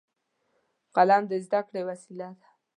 قلم د زده کړې وسیله ده